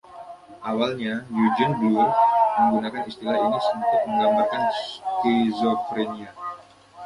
Awalnya, Eugen Bleuler menggunakan istilah ini untuk menggambarkan skizofrenia.